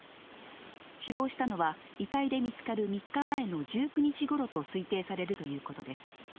死亡したのは遺体で見つかる３日前の１９日ごろと推定されるということです。